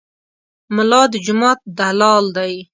ملا د جومات دلال دی.